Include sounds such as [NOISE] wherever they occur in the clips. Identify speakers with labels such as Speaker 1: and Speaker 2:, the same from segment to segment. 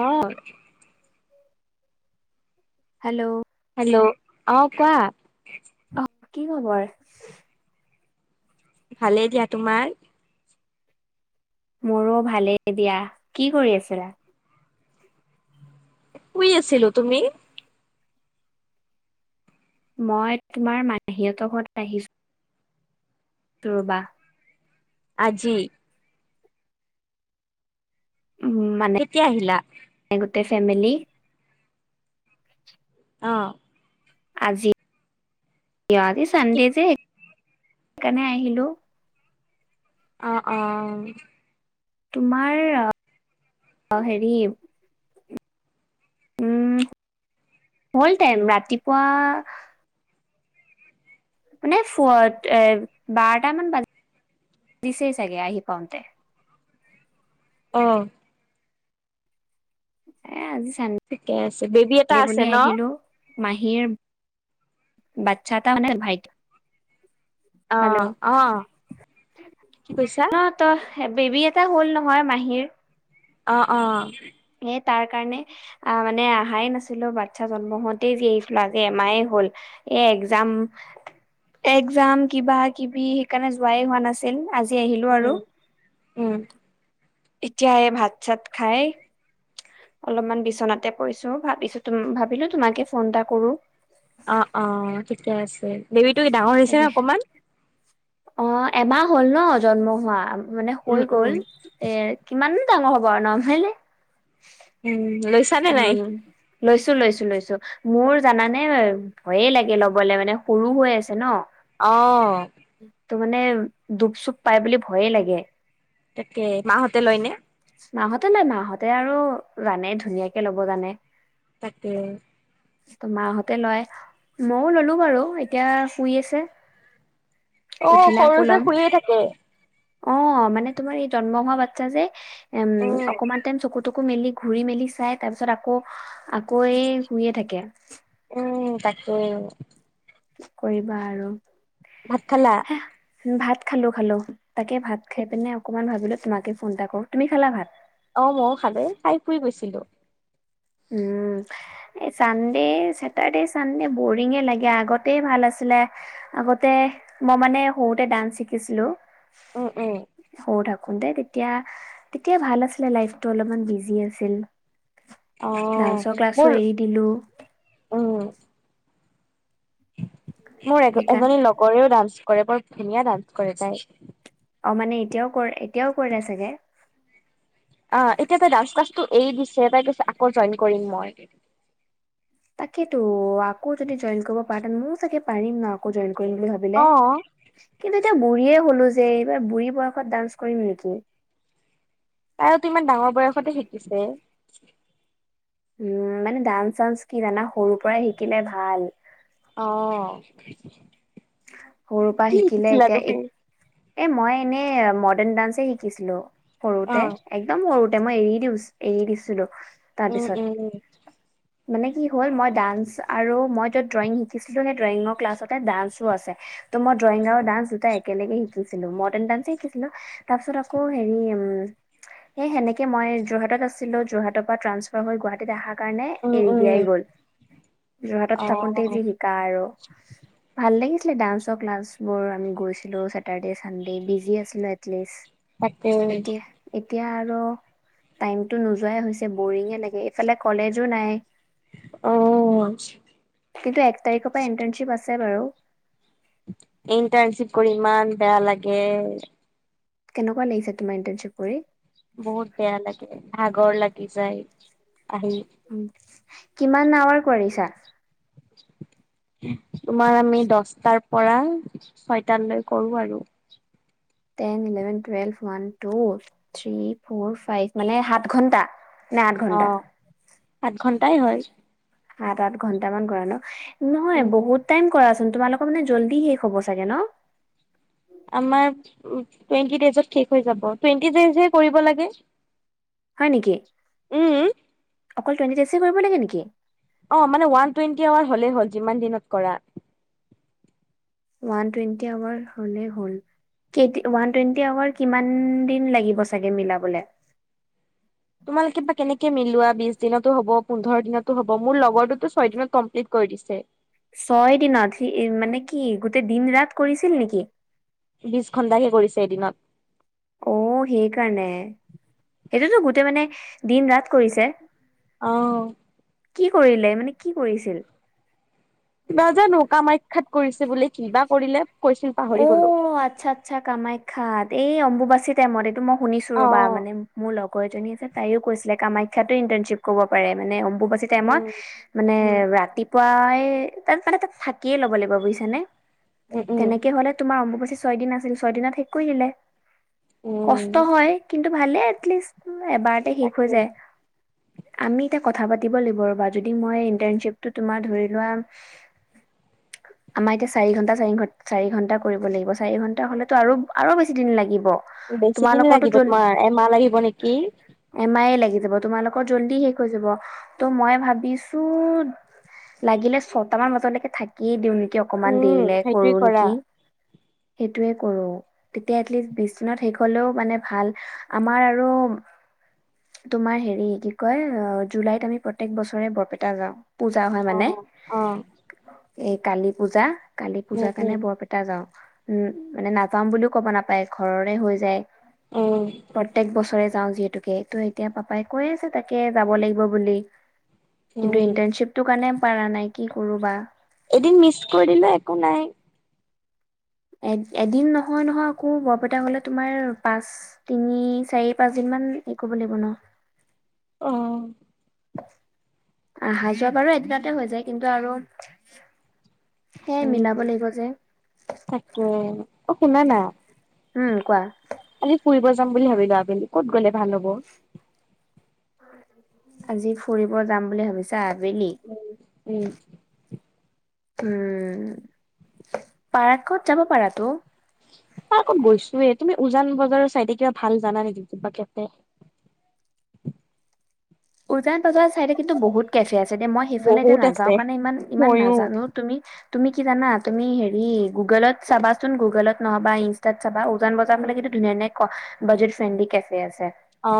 Speaker 1: অ'।
Speaker 2: Hello.
Speaker 1: Hello, অ' কোৱা?
Speaker 2: অ', কি খবৰ?
Speaker 1: ভালেই দিয়া, তোমাৰ?
Speaker 2: মোৰো ভালেই দিয়া। কি কৰি আছিলা?
Speaker 1: শুই আছিলো, তুমি?
Speaker 2: মই তোমাৰ মাহী হেতৰ ঘৰত আহিছো ৰবা।
Speaker 1: আজি কেতিয়া আহিলা?
Speaker 2: তে ফ্ৰেমেলি।
Speaker 1: অ'।
Speaker 2: আজি, অ' আজি চান্দে যে সেইকাৰণে আহিলোঁ।
Speaker 1: অ' অ'।
Speaker 2: তোমাৰ আ হেৰি উম, হ'ল টাইম ৰাতিপুৱা মানে ফ এ বাৰটা মান বা দিছেই চাগে আহি পাওঁতে।
Speaker 1: অঁহ
Speaker 2: এ'আজি-
Speaker 1: ঠিকে আছে। বেবী এটা আছে ন?
Speaker 2: মাহীৰ বাচ্ছা এটা মানে ভাইটী-
Speaker 1: অ
Speaker 2: হেল্ল'
Speaker 1: অ কি কৈছা
Speaker 2: হে বেবী এটা হ'ল নহয় মাহীৰ।
Speaker 1: অঁ অঁ
Speaker 2: সেই তাৰ কাৰণে মানে অহাই নাছিলো বাচ্ছা জন্ম হওঁতেই যি আহিছিলো আজি এমায়ে হ'ল। এ' একজাম একজাম কিবা কিবি সেইকাৰণে যোৱাই হোৱা নাছিল। আজি আহিলো
Speaker 1: উম
Speaker 2: আৰু।
Speaker 1: উম।
Speaker 2: এতিয়া এই ভাত- চাত খাই- অলপমান বিচনাতে পৰিছো ভাবিছো ভাবিলো তোমাকে ফোন এটা কৰো।
Speaker 1: অঁ অঁ ঠিকে আছে। বেবীটো ডাঙৰ হৈছে নে অকমান?
Speaker 2: অঁ এমাহ হ'ল ন জন্ম হোৱা মানে
Speaker 1: উম
Speaker 2: হৈ গ'ল।
Speaker 1: উম
Speaker 2: এ' কিমান- ডাঙৰ হ'ব আৰু নহয় নে।
Speaker 1: লৈছা নে নাই?
Speaker 2: লৈছো লৈছো লৈছো। মোৰ জানানে ভয়ে লাগে লবলে মানে সৰু হৈ আছে ন।
Speaker 1: অঁ
Speaker 2: ত' মানে দুখ- চুখ পাই বুলি ভয়ে লাগে।
Speaker 1: তাকে, মাহঁতে লয় নে?
Speaker 2: মাহঁতে নাই, মাহঁতে আৰু জানে ধুনীয়াকে ল'ব জানে।
Speaker 1: তাকে।
Speaker 2: ত মাহঁতে লয়। ময়ও ললো বাৰু এতিয়া হুই আছে।
Speaker 1: অ
Speaker 2: উঠিলে
Speaker 1: সৰু
Speaker 2: আকৌ
Speaker 1: যে
Speaker 2: লম।
Speaker 1: শুইয়ে থাকে
Speaker 2: অ মানে তোমাৰ এই জন্ম হোৱা বাচ্ছা যে উম অকমান টাইম চকু কু মেলি ঘূৰি মেলি, চাই, তাৰ পিছত আকৌ আকৌ শুইয়ে থাকে।
Speaker 1: উম তাকেই।
Speaker 2: কি কৰিবা আৰু।
Speaker 1: ভাত খালা?
Speaker 2: হে ভাত খালো খালো। তাকে ভাত খাই পিনে অকমান ভাবিলো তোমাকে ফোন এটা কৰো। তুমি খালা ভাত?
Speaker 1: অ মইয়ো খালো। খাই শুই গৈছিলো।
Speaker 2: উম। এই চানডে, চেটাৰ্ডে চানডে বৰিঙে লাগে। আগতে ভাল আছিলে। আগতে মই মানে সৰুতে ডান্স শিকিছিলো,
Speaker 1: উম উম।
Speaker 2: দেই তেতিয়া তেতিয়া ভাল আছিলে, লাইফটো অলপমান বিজি আছিলো।
Speaker 1: অ
Speaker 2: ডান্সৰ ক্লাছো
Speaker 1: মোৰ
Speaker 2: এৰি দিলো।
Speaker 1: উম মোৰ
Speaker 2: সেইকাৰণ
Speaker 1: এজনী লগৰো ডান্স কৰে, বৰ ধুনীয়া ডান্স কৰে তাই।
Speaker 2: অ মানে এতিয়াও কৰে, এতিয়াও কৰিলে চাগে।
Speaker 1: অহ এতিয়া তাই ডান্স ক্লাছটো এৰি দিছে, তাই কৈছে আকৌ জইন কৰিম মই।
Speaker 2: তাকেটো, আকৌ যদি জইন কৰিব পাৰ, মইয়ো চাগে পাৰিম ন আকৌ জইন ভাবিলে।
Speaker 1: অ
Speaker 2: কিন্তু এতিয়া বুঢ়ী হলো যে এইবাৰ বুঢ়ী বয়সত ডান্স কৰিম নেকি।
Speaker 1: তাইতো ইমান ডাঙৰ বয়সতে শিকিছে।
Speaker 2: উম মানে ডান্স চান্স কি জানা সৰুৰ পৰাই শিকিলে ভাল।
Speaker 1: অ।
Speaker 2: সৰুৰ পৰা
Speaker 1: কি
Speaker 2: শিকিলে
Speaker 1: শিকিছিলা
Speaker 2: এতিয়া
Speaker 1: তুমি?
Speaker 2: এক এ মই এনেই মডাৰ্ণ ডান্সে শিকিছিলো
Speaker 1: অ।
Speaker 2: সৰুতে একদম সৰুতে। এয়া মই এৰি দি এৰি দিছিলো
Speaker 1: উম উম
Speaker 2: তাৰপিছত। মানে কি হ'ল মই ডান্স আৰু মই য'ত ড্ৰয়িং শিকিছিলো, সে ড্ৰয়িঙৰ ক্লাছতে ডান্সো আছে। তোমাৰ ড্ৰয়িং আৰু ডান্স দুটা একেলগে শিকিছিলো, মডাৰ্ণ ডান্সো শিকিছিলো। তাৰ পিছত আকৌ হেৰি উম। সেনেকে মই যোৰহাটত আছিলো, যোৰহাটৰ পৰা ট্ৰান্ফাৰ হৈ গুৱাহাটীত আহা কাৰণে
Speaker 1: উম
Speaker 2: এৰি
Speaker 1: উম
Speaker 2: দিয়া গ'ল। যোৰহাটত
Speaker 1: অ
Speaker 2: থাকোতেই যি শিকা আৰু, ভাল লাগিছে আছিলে ডান্সৰ ক্লাছবোৰ আমি গৈছিলো। চেটাৰ্ডে, চানডে বিজি আছিলো এটলিষ্ট
Speaker 1: তাকে।
Speaker 2: এতিয়া এতিয়া আৰু টাইমতটো নোযোৱাই হৈছে, বৰিঙে লাগে। এইফালে কলেজো নাই।
Speaker 1: অ
Speaker 2: কিন্তু এক তাৰিখৰ পৰা ইন্টাৰ্ণশ্বিপ আছে বাৰু
Speaker 1: ইণ্টাৰণশ্বিপ কৰি ইমান বেয়া লাগে।
Speaker 2: কেনেকুৱা লাগিছে তোমাৰ ইণ্টাৰ্ণশ্বিপ কৰি?
Speaker 1: বহুত বেয়া লাগে, ভাগৰ লাগি যায়। আহি।
Speaker 2: কিমান আৱাৰ কৰিছা?
Speaker 1: তোমাৰ আমি দশটাৰ পৰা ছয়টালৈ কৰো আৰু।
Speaker 2: Ten, eleven, twelve one, two, three, four, five মানে সাত ঘণ্টা?
Speaker 1: অঁ আঠ ঘণ্টাই হয়।
Speaker 2: সাত আঠ ঘন্টা মান কৰা ন? নহয়
Speaker 1: উম
Speaker 2: বহুত টাইম কৰাচোন। তোমালোকৰ মানে জল্দি শেষ হ'ব চাগে ন?
Speaker 1: আমাৰ টোৱেন্তি দেইজত শেষ হৈ যাব। টোৱেন্তি দেইজৰ কৰিব লাগে।
Speaker 2: হয় নেকি?
Speaker 1: উম
Speaker 2: অকল টুৱেন্টি ডেছ এ কৰিব লাগে নেকি?
Speaker 1: অঁ মানে ওৱান টুৱেণ্টি আৱাৰ হ'লেই হ'ল যিমান দিনত কৰা।
Speaker 2: ওৱান টুৱেণ্টি আৱাৰ হ'লেই হ'ল। কেদি, ওৱান টুৱেণ্টি আৱাৰ কিমান দিন লাগিব চাগে মিলাবলে?
Speaker 1: তোমালোকে বা কেনেকে মিলোৱা বিছ দিনতো হব পোন্ধৰ দিনতো হব মোৰ লগৰটোতো ছয় দিনত কমপ্লিট ক ৰিদিছে।
Speaker 2: ছয় দিনত, সি মানে কি গোটেই দিন ৰাত কৰিছিল নেকি?
Speaker 1: বিশ ঘন্টাকে কৰিছে এদিনত।
Speaker 2: অঁ সেইকাৰণে, সেইটোতো গোটেই মানে দিন ৰাত কৰিছে।
Speaker 1: অহঁ
Speaker 2: কি কৰিলে? মানে কি কৰিছিল?
Speaker 1: কিব জানো কামাখ্যাত কৰিছে বোলে কিবা কৰিলে? কৈছিল পাহৰি গলো
Speaker 2: অঁ আচ্ছা আচ্ছা কামাখ্যাত, এই অম্বুবাচীতে মৰে মই শুনিছো
Speaker 1: অ
Speaker 2: ৰ'বা মানে মোৰ লগৰ এজনীয়ে যে তাইওঁ কৈছিলে কামাখ্যাতো ইণ্টাৰ্ণশ্বিপ কৰিব পাৰে মানে অম্বু। অম্বুবাচী টাইমত
Speaker 1: উম
Speaker 2: মানে
Speaker 1: উম
Speaker 2: ৰাতিপুৱাই তাত মানে তাত থা কিয়ে ল'ব লাগিব বুজিছানে?
Speaker 1: উম
Speaker 2: তেনে
Speaker 1: উম
Speaker 2: তোমাৰ অম্বুবাচী ছয় দিন আছিল ছয় দিনত শেষ কৰি আহিলে।
Speaker 1: উম
Speaker 2: কষ্ট হয় কিন তু ভালে এটলিষ্ট এবাৰতে শেষ হৈ
Speaker 1: তাকে
Speaker 2: যায়। আমি এতিয়া কথা পাতিব লাগিব ৰ'বা যদি মই ইন্টাৰ্ণশ্বিপটো তোমাৰ ধৰি লোৱা আমাৰ এতিয়া চাৰি ঘন্টা, চাৰি ঘন্টা চাৰি ঘন্টা কৰিব লাগিব। চাৰি ঘন্টা, হলেতো আৰু আৰু বেছি দিন লাগিব। ব
Speaker 1: বেছি দিন
Speaker 2: তোমালোকৰটো
Speaker 1: লাগিব
Speaker 2: জল,
Speaker 1: তোমাৰ এমাহ লাগিব নেকি?
Speaker 2: এম আই লাগি যাব তোমালোকৰ জল্দি শেষ হৈ যাব ত' মই ভাবিছো। লাগিলে ছটা মান বজলৈকে থাকিয়ে দিওঁ নে কি অকমান
Speaker 1: উম
Speaker 2: দেৰিলে
Speaker 1: সেইটোৱে
Speaker 2: কৰো
Speaker 1: কৰা
Speaker 2: নেকি? টোৱ কৰো। তেতিয়া এটলিষ্ট বিশ দিনত শেষ হলেও মানে ভাল আমাৰ আৰু তোমাৰ হেৰি কি কয় জুলাইত আমি প্ৰত্যেক বছৰে বৰপেটা যাওঁ। পূজা হয় মানে
Speaker 1: অঁহ অঁ
Speaker 2: এই কালি পূজা, কালি পূজা কাৰণে
Speaker 1: উম
Speaker 2: বৰপেটা যাওঁ। উম মানে নাযাম বুলিও ক'ব নাপায় ঘৰৰে হৈ যায়
Speaker 1: উম
Speaker 2: প্ৰত্যেক বছৰে যাওঁ যিহেতুকে তো এতিয়া পাপাই কৈ আছে তাকে যাব লাগিব বুলি। কিন্তু
Speaker 1: উম
Speaker 2: ইণ্টাৰ্ণশ্বিপটো কাৰণে পাৰা নাই কি কৰো বা?
Speaker 1: এদিন মিছ কৰিদিলে একো নাই
Speaker 2: এ এদিন নহয় নহয় আকৌ বৰপেটা গলে তোমাৰ পাঁচ তিনি চাৰি পাঁচ দিন মান হেৰি কৰিব লাগিব ন [UNINTELLIGIBLE]
Speaker 1: অ
Speaker 2: আহা-যোৱা বাৰু এদিনতে হৈ যায় কিন্তু আৰু সেই
Speaker 1: উম
Speaker 2: মিলাব লাগিব যে
Speaker 1: তাকে, অ শুনা না
Speaker 2: উম কোৱা!
Speaker 1: আজি ফুৰিব যাম বুলি ভাবিলো আবেলি ক'ত গ'লে ভাল হ'ব?
Speaker 2: আজি ফুৰিব যাম বুলি ভাবিছা? আবেলি
Speaker 1: উম উম
Speaker 2: উম! পাৰ্কত যাব পাৰাতো [UNINTELLIGIBLE]
Speaker 1: পাৰ্কত গৈছোয়ে। তুমি উজান বজাৰৰ চাইডে কিবা ভাল জানা নেকি কিবা কেফে? [UNINTELLIGIBLE]
Speaker 2: [INAUDIBLE] উজান বজাৰ চাইডে কিন্তু বহুত কেফে আছে দে মই সেইফালে এতিয়া
Speaker 1: বহুত আছে
Speaker 2: নযাওঁ কাৰণে ইমান, ইমান
Speaker 1: ময়ো
Speaker 2: নাজানো তুমি [UNINTELLIGIBLE] তুমি কি জানা তুমি হেৰি গুগলত চাবা চোন গুগলত নহ'বা ইনষ্টাত চাবা [UNINTELLIGIBLE] উজান বজাৰ
Speaker 1: উম
Speaker 2: ফালে কিন্তু ধুনীয়া ধনীয়া ক বাজেট ফ্ৰণ্ডলি কেফে আছে।
Speaker 1: অ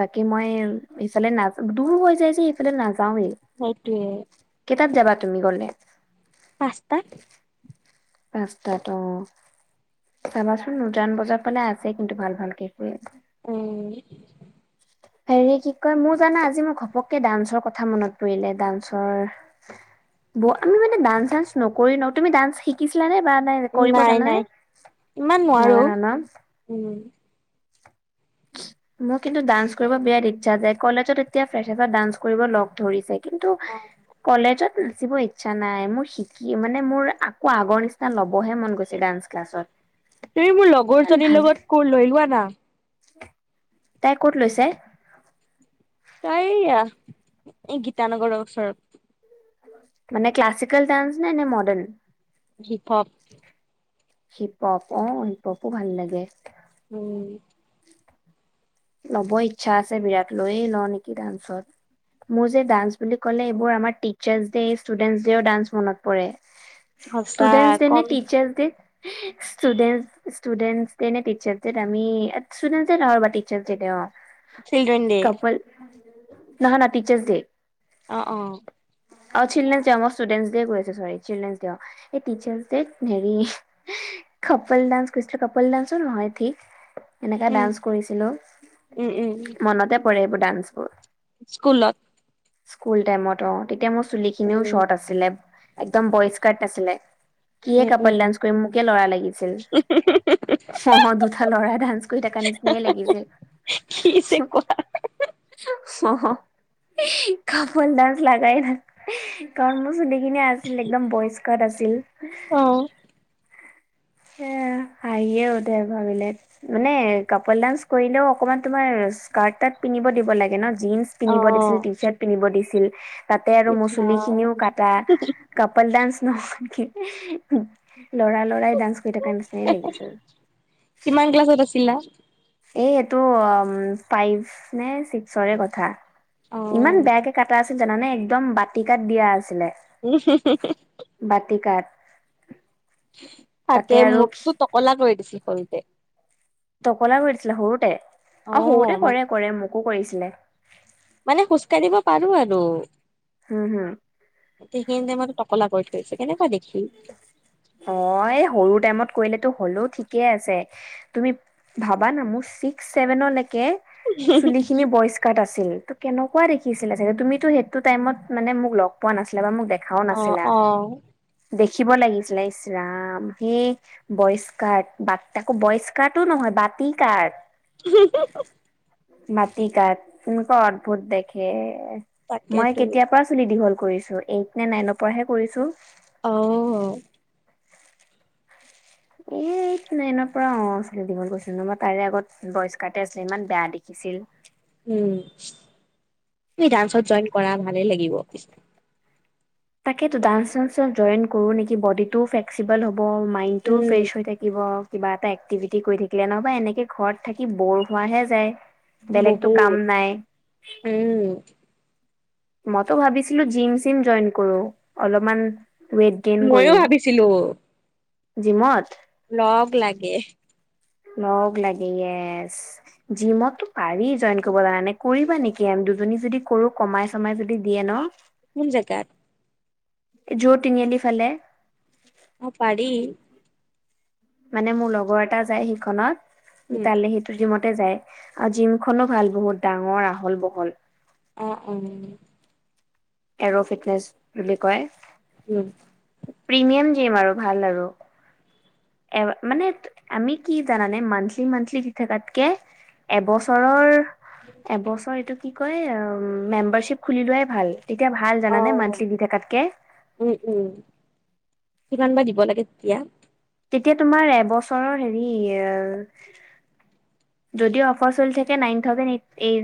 Speaker 2: বাকী মই সফালে না দূৰ হৈ যায় যে সেইফালে নাজান [UNINTELLIGIBLE]
Speaker 1: সেইটোৱে
Speaker 2: কিহত যাবা তুমি গলে
Speaker 1: পাঁচটা
Speaker 2: পচতাত [UNINTELLIGIBLE] চাবাচোন উজান বজাৰ ফালে আছে কিন্তু ভাল ভাল কাপোৰ [UNINTELLIGIBLE]
Speaker 1: আহ
Speaker 2: হেৰি কি কয় মোৰ জানা আজি মোক ঘপককে ডান্সৰ কথা মনত পৰিলে ডান্সৰ [UNINTELLIGIBLE] ব আমি মানে ডান্সৰ নকৰি ন তুমি ডান্স শিকিছিলা নে [UNINTELLIGIBLE] নাই কৰিব জানানে
Speaker 1: ইমান নোৱাৰো
Speaker 2: নাজানা ন [UNINTELLIGIBLE]
Speaker 1: উম
Speaker 2: মোৰ কিন্তু ডান্স কৰিব বিৰাট ইচ্ছা যাই কলেজত ফাষ্টপা ডান্স কৰিব লগ ধৰিছে [UNINTELLIGIBLE] কিন্তু
Speaker 1: অ
Speaker 2: কলেজত নাচিব ইচ্ছা নাই মোৰ শিকি মানে মোৰ আকৌ আগৰ নিচিনা ল'বহে মন গৈছে ডান্স ক্লাছত [UNINTELLIGIBLE]
Speaker 1: তুমি মোৰ
Speaker 2: কিমান
Speaker 1: লগৰজনীৰ
Speaker 2: ভাল
Speaker 1: লগত ক লৈ লোৱা না [UNINTELLIGIBLE]
Speaker 2: তাই ক'ত লৈছে [UNINTELLIGIBLE]
Speaker 1: তাই য়া এই গীতানগৰৰ ওচৰত [UNINTELLIGIBLE]
Speaker 2: মানে ক্লছিকেল ডান্স নাই নে modern [UNINTELLIGIBLE]
Speaker 1: hip hop [UNINTELLIGIBLE]
Speaker 2: hip hop অ হিপ হপো ভাল লাগে [UNINTELLIGIBLE]
Speaker 1: উম
Speaker 2: ল'ব ইচ্ছা আছে বিৰাট লৈয়ে লওঁ নেকি ডান্সত মোৰ যে ডান্স বুলি ক'লে এইবোৰ আমাৰ টিচাৰ্চ ড ষ্টুডেন্ ডেও ডান্স মনত পৰে [UNINTELLIGIBLE]
Speaker 1: সঁচা
Speaker 2: ষ্টুডেনট ডে নে
Speaker 1: কম
Speaker 2: teachers day [UNINTELLIGIBLE] ষ্টুে students teacher day আমিষ্টুডে নহয় [UNINTELLIGIBLE] উছিলে অ
Speaker 1: চিলড্ৰন ডে [UNINTELLIGIBLE]
Speaker 2: ন না টিচাৰ্ছ ডে [UNINTELLIGIBLE]
Speaker 1: অ অ
Speaker 2: অ চিল্ড্ৰেন্ ড ষ্টুডেন্ ড কৈ আছে চৰি চিল্ড্ৰেন ড অ এই টচাৰ্চ ড হেৰি [UNINTELLIGIBLE] কপল ডান্স কৰিছিলো কপল ডান্সো নহয় ঠিক এনেকা
Speaker 1: উম
Speaker 2: ডান্স কৰিছিলো [UNINTELLIGIBLE]
Speaker 1: উম উম উ
Speaker 2: ডান্স কৰে
Speaker 1: স্কুলত
Speaker 2: স্কুল টাইমত অ তেতিয়া মোৰ চুলিখিনিও
Speaker 1: উম
Speaker 2: শ্বৰ্ট আছিলে একদম বইচ কাট আছিলে কিয়ে
Speaker 1: উম উম
Speaker 2: কাপাল ডান্স কৰি মোকে লৰা লাগিছিল অ দুটা লৰা ডান্স কৰি থাকা নিচিনাই লাগিছিল
Speaker 1: কিছে কোৱা
Speaker 2: অ কাপল ডা লাগাই ন কাৰণ মোৰ চ দে এনে আছিল একদম বয়স্কাৰ আছিল
Speaker 1: কোৱা অ
Speaker 2: এ হাহিয়ে উঠে ভাবিলে মানে কাপাল ডান্স কৰিলেও অকমান তোমাৰ স্কাৰ্ট তাত পিন্ধিব দিব লাগে ন জীন্চ
Speaker 1: অ
Speaker 2: পিন্ধিব দিছিল টি চাৰ্ট পিন্ধিব দিছিল তাতে আৰু মচলি
Speaker 1: ইছৰাম
Speaker 2: খিনিও কটা কাপাল ডান্স নহ লৰা লৰাই ডান্স কৰি থ কাৰে নিচিন লাগিছিল
Speaker 1: কিমান ক্লাছত আছিলা
Speaker 2: এই এইটো ফাইভ নে ছিক্সৰে কথা
Speaker 1: অ
Speaker 2: ইমান বেয়াকে কাটা আছিল জানানে একদম বাতি কাত দিয়া আছিলে
Speaker 1: উ
Speaker 2: উ
Speaker 1: তাকে মোকতো টকলা কৰি দিছিল শৰুতে
Speaker 2: টকলা কৰি দিছিলে সৰুতে অ সৰুতে কৰে কৰে মোকো কৰিছিলে
Speaker 1: মানে খোজ কঢ়িব পাৰো আৰু
Speaker 2: হম হম।
Speaker 1: গোটেইখিনিয়ে মানে টকলা কৰি থৈছে কেনেৱা দেখি
Speaker 2: অ এই সৰু টাইমত কৰিলেতো হ'লেও ঠিক ঠিকেই আছে। তুমি ভাবা না মোৰ চিক্স ছেভেনলেকে চুলি খিনি বয়ষ্কাৰ আছে ছিল ত কেনেকুৱা দেখিছিলে চাগে তুমিতো সেইটো টাইমত মানে মোক লগ পোৱা নাছিলা বা মোক দেখাও
Speaker 1: অ
Speaker 2: নাছিলা
Speaker 1: অ
Speaker 2: দেখিব লাগিছিলে ইচলাম সেই বয়স্কাত তাকো বয়স্কাটো নহয়। বাতি কাৰ
Speaker 1: হা হা
Speaker 2: মাটিকাত কেনেকুৱা অদ্ভুত দেখে। মই
Speaker 1: তাকেতো
Speaker 2: কেতিয়াৰ পৰা চুলি দীঘল ছো এইট নে নাইনৰ পৰাহে কৰিছো।
Speaker 1: আহ
Speaker 2: এইট, নাইনৰ পৰা অ চুলি দীঘল কৰিছিলো। নহ'বা তাৰে আগত বয়স্কাতে আছিলে ইমান বেয়া দেখি। ছিল
Speaker 1: উম তুমি ডান্সত জইন কৰা ভালে লাগিব। পিছত
Speaker 2: তাকেটো। ডান্স চানসট জইন কৰো নেকি বডিটো ফ্লেক্সিবল হ'ব। হ মাইনটোও
Speaker 1: উম।
Speaker 2: ফ্ৰেছ হৈ থাকিব। কিবা এটা এক্টিভিটি কৰি থাকিলে নহবা এনেকে ঘৰত থাকি বৰ হোৱাহে যায়। বেলেগতটো কাম
Speaker 1: বহুত
Speaker 2: নাই।
Speaker 1: উম
Speaker 2: মইতো ভাবিছিলো জিম চিম জইন কৰো। অলপমান ৱেইট গেইন
Speaker 1: ময়ো
Speaker 2: কৰিম
Speaker 1: ভাবিছিলো
Speaker 2: জিমত
Speaker 1: লগ লাগে
Speaker 2: লগ লাগে য়েছ। জিমতো পাৰি জইন কৰিব কাৰনে কৰিবা নেকি? দুজনী যদি কৰো কমাই চমাই যদি দিয়ে ন
Speaker 1: কোন জেগাত?
Speaker 2: জৌটিনিআলি ফালে।
Speaker 1: অ পাৰি।
Speaker 2: মানে মোৰ লগৰ এটা যায় সেইখনত
Speaker 1: উম
Speaker 2: তালে সেইটো জিমত যায় আৰু জিমখনো ভাল বহুত ডাঙৰ আহল বহল।
Speaker 1: অ উ
Speaker 2: এৰ' ফিটনেচ বুলি কয়।
Speaker 1: উম।
Speaker 2: প্ৰিমিয়াম জিম আৰু ভাল আৰু এ মানে আমি কি জানানে মান্থলি মান্থলি দি থকাতকে এবছৰৰ এবছৰ এইটো কি কয় মেম্বাৰশ্বিপ খুলি লোৱাই ভাল। তেতিয়া ভাল
Speaker 1: অ।
Speaker 2: জানানে মান্থলি দি থাকাতকে।
Speaker 1: উম উম কিমান বা দিব লাগে তেতিয়া।
Speaker 2: তেতিয়া তোমাৰ এবছৰৰ হেৰি। যদিও অফাৰ চলি থাকে নাইন থাউজেণ্ড এ-